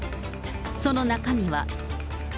その中身は。